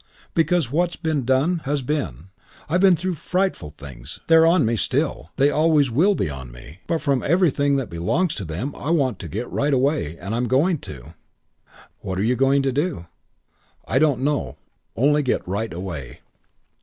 "Because what's been has been. Done. I've been through frightful things. They're on me still. They always will be on me. But from everything that belongs to them I want to get right away. And I'm going to." "What are you going to do?" "I don't know. Only get right away."